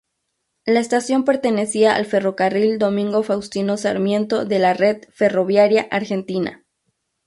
La estación pertenecía al Ferrocarril Domingo Faustino Sarmiento de la red ferroviaria argentina.